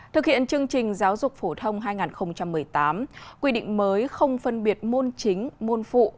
thực hiện chương trình giáo dục phổ thông hai nghìn một mươi tám quy định mới không phân biệt môn chính môn phụ